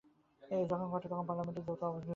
এ ঘটনা যখন ঘটে, তখন পার্লামেন্টের যৌথ অধিবেশন চলছিল।